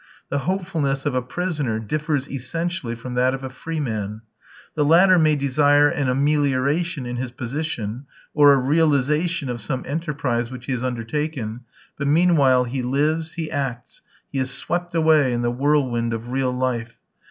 The hopefulness of a prisoner differs essentially from that of a free man. The latter may desire an amelioration in his position, or a realisation of some enterprise which he has undertaken, but meanwhile he lives, he acts; he is swept away in the whirlwind of real life.